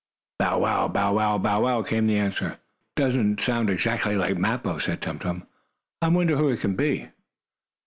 "Bow wow! Bow wow! Bow wow!" came the answer. "That doesn't sound exactly like Mappo," said Tum Tum. "I wonder who it can be?"